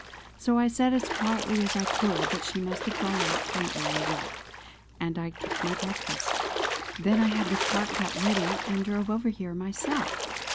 So I said as quietly as I could that she must have gone out for an early walk; and I took my breakfast. Then I had the cart got ready, and drove over here myself.